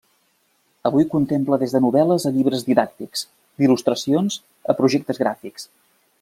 Avui contempla des de novel·les a llibres didàctics, d'il·lustracions, a projectes gràfics.